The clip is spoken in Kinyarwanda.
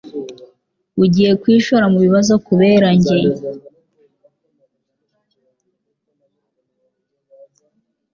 Ugiye kwishora mubibazo kubera njye?